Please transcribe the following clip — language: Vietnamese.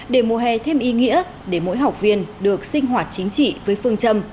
để mùa hè thêm ý nghĩa để mỗi học viên được sinh hoạt chính trị với phương châm